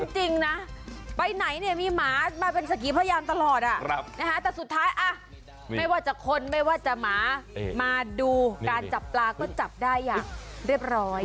จริงนะไปไหนเนี่ยมีหมามาเป็นสักกี่พยานตลอดแต่สุดท้ายไม่ว่าจะคนไม่ว่าจะหมามาดูการจับปลาก็จับได้อย่างเรียบร้อย